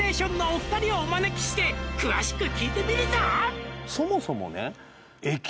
「お二人をお招きして詳しく聞いてみるぞ！」